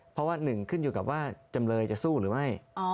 เพราะว่าหนึ่งขึ้นอยู่กับว่าจำเลยจะสู้หรือไม่